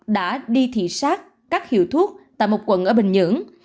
đã đi thị xác các hiệu thuốc tại một quận ở bình nhưỡng